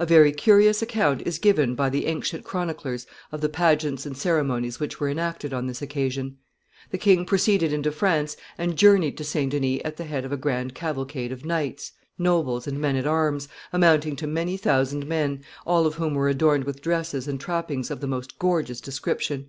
A very curious account is given by the ancient chroniclers of the pageants and ceremonies which were enacted on this occasion. The king proceeded into France and journeyed to St. Denis at the head of a grand cavalcade of knights, nobles, and men at arms, amounting to many thousand men, all of whom were adorned with dresses and trappings of the most gorgeous description.